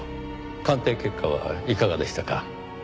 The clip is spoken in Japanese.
鑑定結果はいかがでしたか？